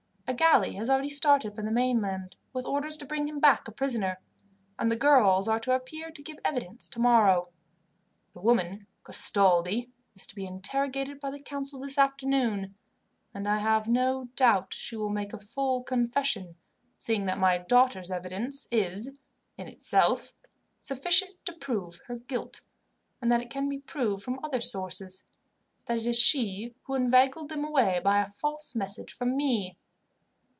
A galley has already started for the mainland, with orders to bring him back a prisoner, and the girls are to appear to give evidence tomorrow. The woman, Castaldi, is to be interrogated by the council this afternoon, and I have no doubt she will make a full confession, seeing that my daughters' evidence is, in itself, sufficient to prove her guilt, and that it can be proved, from other sources, that it was she who inveigled them away by a false message from me."